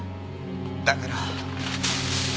だから。